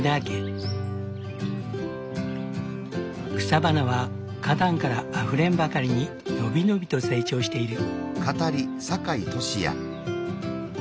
草花は花壇からあふれんばかりに伸び伸びと成長している。